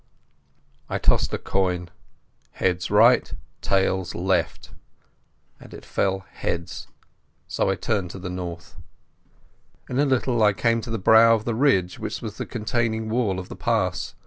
I tossed a coin—heads right, tails left—and it fell heads, so I turned to the north. In a little I came to the brow of the ridge which was the containing wall of the pass.